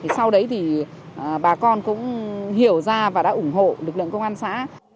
sau đấy thì bà con cũng hiểu ra và đã ủng hộ lực lượng công an xã